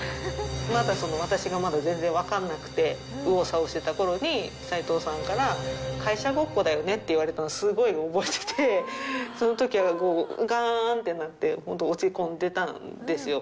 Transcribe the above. まだ、私がまだ全然分かんなくて、右往左往してたころに、齋藤さんから、会社ごっこだよねって言われたの、すごい覚えてて、そのときはもう、がーんってなって、本当落ち込んでたんですよ。